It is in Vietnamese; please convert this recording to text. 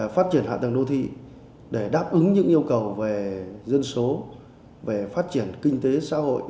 phát triển hạ tầng đô thị để đáp ứng những yêu cầu về dân số về phát triển kinh tế xã hội